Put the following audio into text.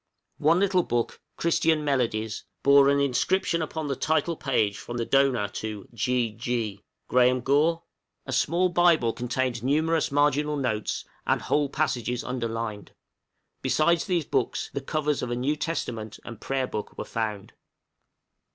One little book, 'Christian Melodies,' bore an inscription upon the title page from the donor to G. G. (Graham Gore?) A small Bible contained numerous marginal notes, and whole passages underlined. Besides these books, the covers of a New Testament and Prayerbook were found.